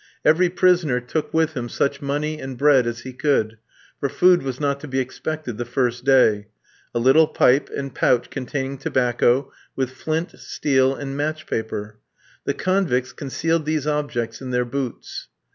Every prisoner took with him such money and bread as he could (for food was not to be expected the first day), a little pipe, and pouch containing tobacco, with flint, steel, and match paper. The convicts concealed these objects in their boots.